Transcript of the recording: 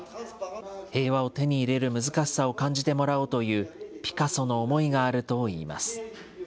平和を手に入れる難しさを感じてもらおうという、ピカソの思いがあるといいます。